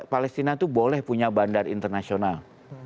palestina itu boleh punya bandar internasional